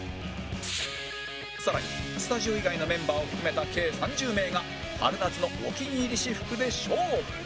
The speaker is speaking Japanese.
更にスタジオ以外のメンバーを含めた計３０名が春夏のお気に入り私服で勝負